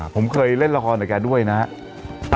ผมเคยเล่นละครในแก่ด้วยนะฮะ